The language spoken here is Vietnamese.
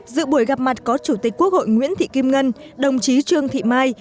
dự buổi gặp mặt có chủ tịch quốc hội nguyễn thị kim ngân đồng chí trương thị mai